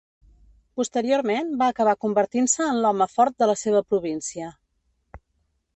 Posteriorment, va acabar convertint-se en l'home fort de la seva província.